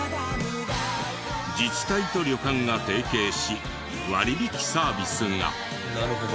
自治体と旅館が提携し割引サービスが。